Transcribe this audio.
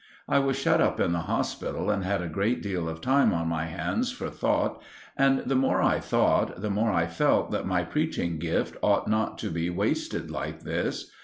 I was shut up in the hospital and had a great deal of time on my hands for thought, and the more I thought, the more I felt that my preaching gift ought not to be wasted like this.